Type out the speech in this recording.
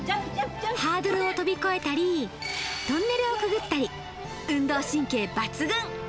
ハードルを跳び越えたりトンネルをくぐったり、運動神経抜群。